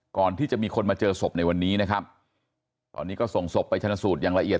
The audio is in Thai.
ก่อนที่จะมีคนมาเจอศพในวันนี้นะครับตอนนี้ก็ส่งศพไปชนะสูตรอย่างละเอียด